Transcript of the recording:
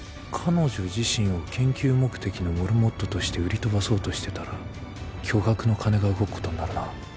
彼女自身を研究目的のモルモットとして売り飛ばそうとしてたら巨額の金が動くことになるな。